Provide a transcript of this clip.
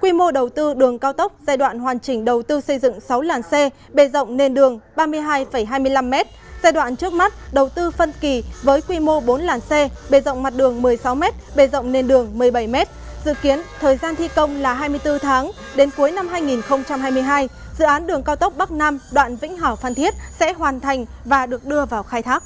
quy mô đầu tư đường cao tốc giai đoạn hoàn chỉnh đầu tư xây dựng sáu làn xe bề rộng nền đường ba mươi hai hai mươi năm m giai đoạn trước mắt đầu tư phân kỳ với quy mô bốn làn xe bề rộng mặt đường một mươi sáu m bề rộng nền đường một mươi bảy m dự kiến thời gian thi công là hai mươi bốn tháng đến cuối năm hai nghìn hai mươi hai dự án đường cao tốc bắc nam đoạn vĩnh hảo phan thiết sẽ hoàn thành và được đưa vào khai thác